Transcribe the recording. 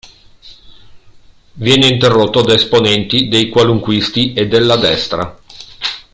Viene interrotto da esponenti dei qualunquisti e della destra.